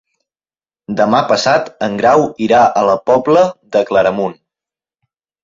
Demà passat en Grau irà a la Pobla de Claramunt.